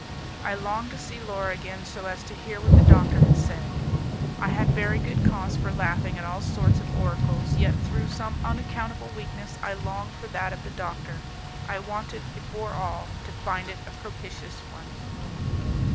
I longed to see Laura again, so as to hear what the doctor had said. I had very good cause for laughing at all sorts of oracles, yet through some unaccountable weakness I longed for that of the doctor; I wanted, before all, to find it a propitious one.